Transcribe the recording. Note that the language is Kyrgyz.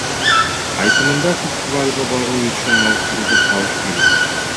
Айтымында, фестивалга баруу үчүн ал каражат табышы керек.